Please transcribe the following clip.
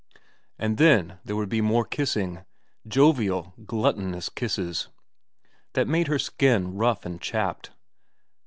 * And then there would be more kissing, jovial, gluttonous kisses, that made her skin rough and chapped.